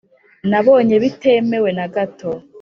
nabonye bitemewe nagato